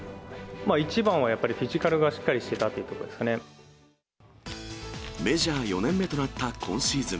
一番はやっぱりフィジカルがしっかりしてたっていうところですかメジャー４年目となった今シーズン。